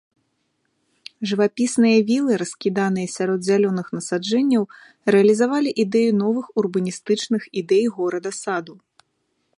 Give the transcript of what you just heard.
Жывапісныя вілы, раскіданыя сярод зялёных насаджэнняў, рэалізавалі ідэю новых урбаністычных ідэй горада-саду.